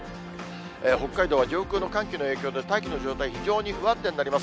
北海道は上空の寒気の影響で、大気の状態、非常に不安定になります。